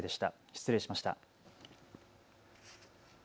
失礼しました。